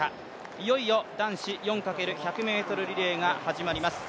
いよいよ男子４×１００ｍリレーが始まります。